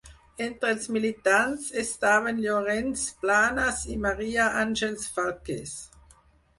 Entre els militants estaven Llorenç Planes i Maria Àngels Falqués.